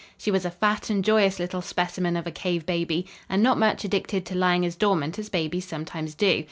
She was a fat and joyous little specimen of a cave baby and not much addicted to lying as dormant as babies sometimes do.